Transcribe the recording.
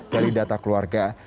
dari data keluarga